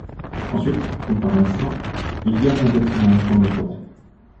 Ensuite, comme par instinct, ils gagnent un bâtiment au fond de la forêt.